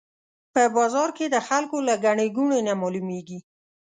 په بازار کې د خلکو له ګڼې ګوڼې نه معلومېږي.